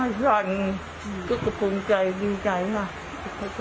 ที่ผู้หญิงที่ออกมาก็พุ่งใจดีใจมาก